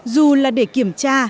dù là để kiểm tra